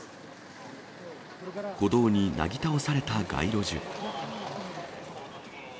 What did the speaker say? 歩道になぎ倒された街路樹。